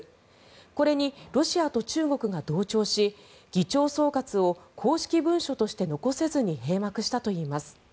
これに、ロシアと中国が同調し議長総括を公式文書として残せずに閉幕したといいます。